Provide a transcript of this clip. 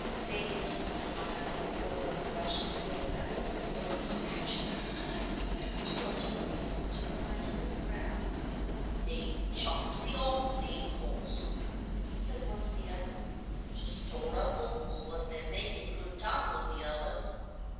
Maisie looked at the wild whirling rush of a field battery going into action under fire. Two artillery men stood behind her in the crowd. "They've chucked the off lead 'orse' said one to the other. "'E's tore up awful, but they're makin' good time with the others.